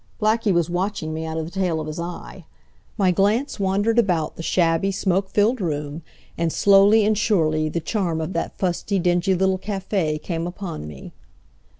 Blackie was watching me out of the tail of his eye. My glance wandered about the shabby, smoke filled room, and slowly and surely the charm of that fusty, dingy little cafe came upon me.